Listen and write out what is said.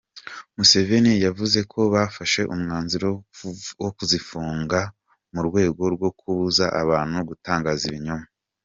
Museveni yavuze ko bafashe umwanzuro wo kuzifunga mu rwego rwo kubuza abantu gutangaza ibinyoma.